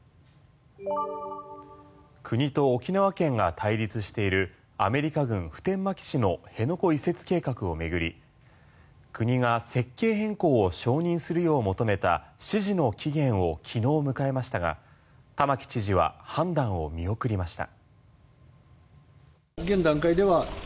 国と沖縄県が対立しているアメリカ軍普天間基地の辺野古移設計画を巡り国が設計変更を承認するよう求めた指示の期限を昨日迎えましたが玉城知事は判断を見送りました。